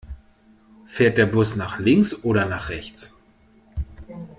Fährt der Bus nach links oder nach rechts?